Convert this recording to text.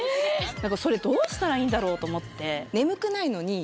それどうしたらいいんだろう？と思って。